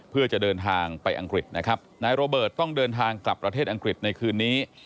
เพื่อจะเดินทางไปอังกฤษนะครับนายโรเบิร์ตต้องเดินทางกลับประเทศอังกฤษในคืนนี้